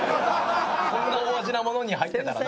こんな大味なものに入ってたらな。